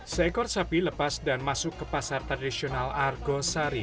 seekor sapi lepas dan masuk ke pasar tradisional argosari